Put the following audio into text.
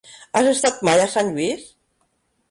Has estat mai a Sant Lluís?